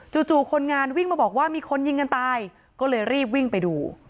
จู่คนงานวิ่งมาบอกว่ามีคนยิงกันตายก็เลยรีบวิ่งไปดู